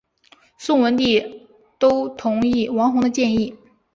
宋文帝都同意王弘的建议。